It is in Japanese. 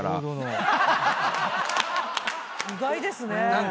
意外ですね。